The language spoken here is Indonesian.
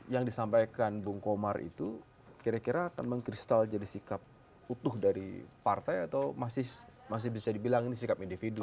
yang disampaikan bung komar itu kira kira akan mengkristal jadi sikap utuh dari partai atau masih bisa dibilang ini sikap individu